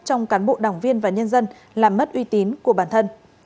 trong cán bộ đảng viên và nhân dân làm mất uy tín của bản thân